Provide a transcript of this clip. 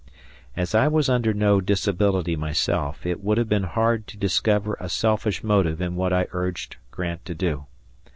As I was under no disability myself, it would have been hard to discover a selfish motive in what I urged Grant to do.